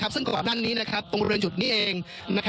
ซึ่งก่อนหน้านี้ตรงบริเวณจุดนี้เอง